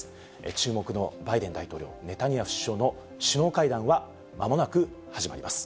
注目のバイデン大統領、ネタニヤフ首相の首脳会談はまもなく始まります。